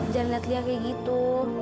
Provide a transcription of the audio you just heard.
jangan lihat lihat kayak gitu